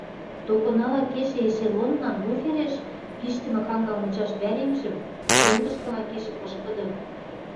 токынала кешӹ эшелоннан буфереш пиштӹмӹ ханга мычаш вӓремжӹм фронтышкыла кешӹ пышкыды